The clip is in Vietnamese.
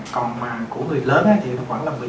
còn của người lớn thì nó khoảng là một mươi sáu